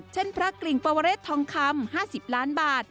พระกริ่งปวเรศทองคำ๕๐ล้านบาท